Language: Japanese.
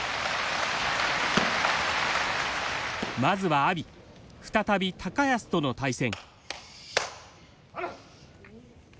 まずは阿炎再び安との対戦。